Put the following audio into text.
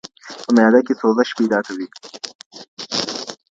په معده کې سوزش پیدا کوي.